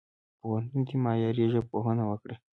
پوهنتون دي معیاري ژبپوهنه وکړي.